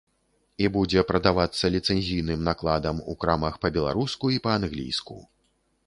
І будзе прадавацца ліцэнзійным накладам у крамах па-беларуску і па-англійску.